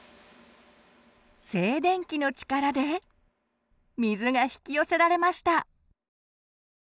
静電気の力で水が引き寄せられました！